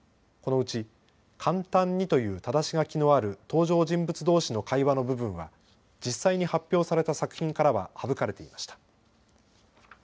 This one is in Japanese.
このうちかんたんにというただし書きのある登場人物どうしの会話の部分は実際に発表された作品からは省かれていました。